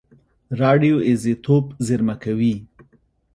راډیو ایزوتوپ زېرمه کوي.